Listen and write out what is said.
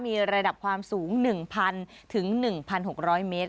มีระดับความสูง๑๐๐๑๖๐๐เมตร